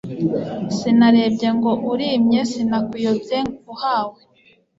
Sinarebye ngo urimye Sinakuyobye uhawe,